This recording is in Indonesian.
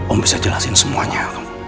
om bisa jelasin semuanya